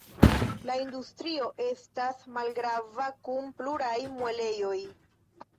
La industrio estas malgrava kun pluraj muelejoj.